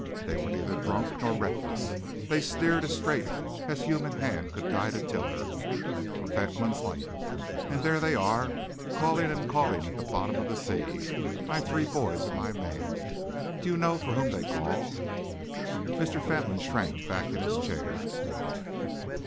"They were neither drunk nor reckless. They steered as straight as human hand could guide a tiller, for Fentolin's light! And there they are, calling and calling at the bottom of the sea my three boys and my man. Do you know for whom they call?" Mr. Fentolin shrank back in his chair.